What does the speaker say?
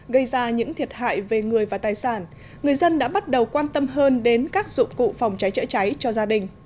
gây ra những thiệt hại về người và tài sản người dân đã bắt đầu quan tâm hơn đến các dụng cụ phòng cháy chữa cháy cho gia đình